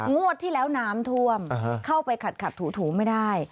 งวดที่แล้วน้ำท่วมเข้าไปขัดถูไม่ได้